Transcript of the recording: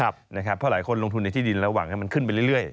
เพราะหลายคนลงทุนในที่ดินระหว่างให้มันขึ้นไปเรื่อย